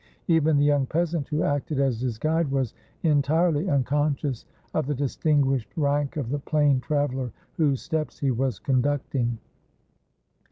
Even the young peasant who acted as his guide was entirely unconscious of the distinguished rank of the plain traveler whose steps he was conducting.